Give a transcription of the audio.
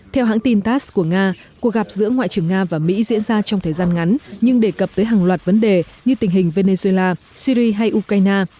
theo hãng tin tass của nga cuộc gặp giữa ngoại trưởng nga và mỹ diễn ra trong thời gian ngắn nhưng đề cập tới hàng loạt vấn đề như tình hình venezuela syri hay ukraine